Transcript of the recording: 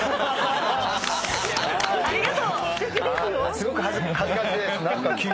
すごく恥ずかしい。